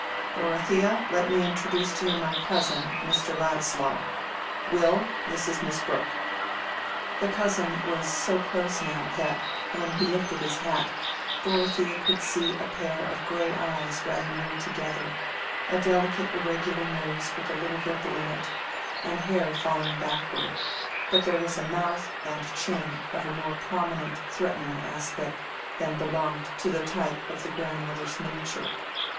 "Dorothea, let me introduce to you my cousin, Mr. Ladislaw. Will, this is Miss Brooke." The cousin was so close now, that, when he lifted his hat, Dorothea could see a pair of gray eyes rather near together, a delicate irregular nose with a little ripple in it, and hair falling backward; but there was a mouth and chin of a more prominent, threatening aspect than belonged to the type of the grandmother's miniature.